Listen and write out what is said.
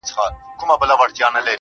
نور په ما مه کوه هوس راپسې وبه ژاړې_